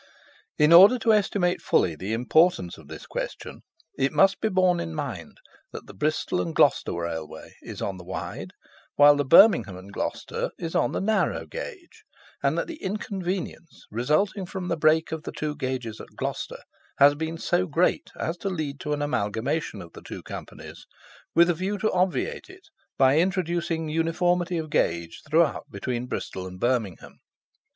In order to estimate fully the importance of this question, it must be borne in mind that the Bristol and Gloucester Railway is on the wide, while the Birmingham and Gloucester is on the narrow gauge, and that the inconvenience resulting from the break of the two gauges at Gloucester has been so great as to lead to an amalgamation of the two Companies, with a view to obviate it, by introducing uniformity of gauge throughout between Bristol and Birmingham.